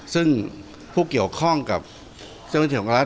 ซึ่งผู้เกี่ยวข้องกับเจ้าหน้าที่ของรัฐ